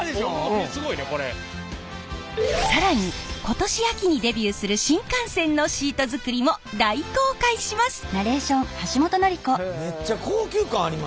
更に今年秋にデビューする新幹線のシート作りも大公開します！